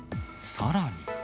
さらに。